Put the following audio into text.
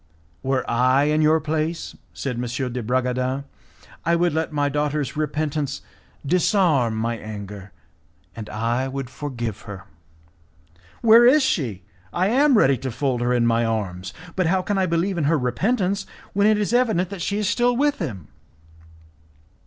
"Were I in your place," said M. de Bragadin, "I would let my daughter's repentance disarm my anger, and I would forgive her." "Where is she? I am ready to fold her in my arms, but how can I believe in her repentance when it is evident that she is still with him."